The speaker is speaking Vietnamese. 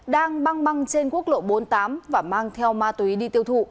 đang băng băng trên quốc lộ bốn mươi tám và mang theo ma túy đi tiêu thụ